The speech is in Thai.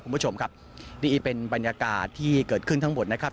คุณผู้ชมครับนี่เป็นบรรยากาศที่เกิดขึ้นทั้งหมดนะครับ